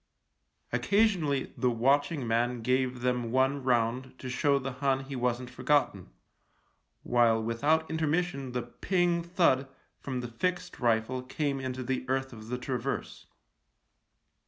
Occasionally the watch ing man gave them one round to show the Hun he wasn't forgotten ; while without intermission the ping — thud from the fixed rifle came into the earth of the traverse.